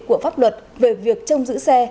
của pháp luật về việc trong giữ xe